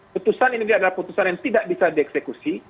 ketujuan ini adalah keputusan yang tidak bisa dieksekusi